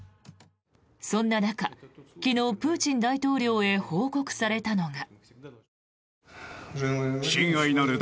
そんな中昨日、プーチン大統領へ報告されたのが。